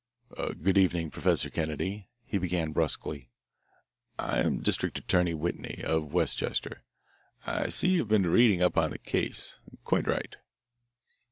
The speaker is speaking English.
"Good evening, Professor Kennedy," he began brusquely. "I am District Attorney Whitney, of Westchester. I see you have been reading up on the case. Quite right."